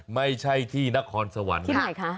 ไม่ใช่ที่นครสวรรค์ที่ไหนคะ